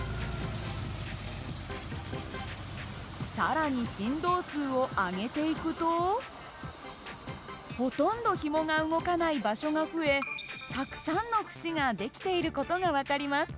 更に振動数を上げていくとほとんどひもが動かない場所が増えたくさんの節が出来ている事が分かります。